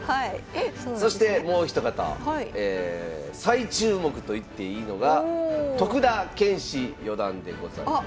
そしてもう一方再注目といっていいのが徳田拳士四段でございます。